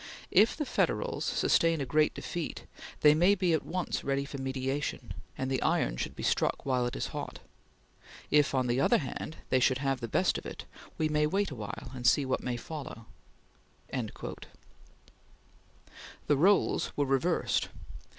If the Federals sustain a great defeat, they may be at once ready for mediation, and the iron should be struck while it is hot. If, on the other hand, they should have the best of it, we may wait a while and see what may follow... The roles were reversed.